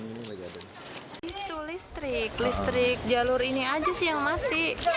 itu listrik listrik jalur ini aja sih yang mati